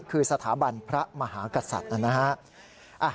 คือสถาบันพระมหากษัตริย์นั้นนะครับ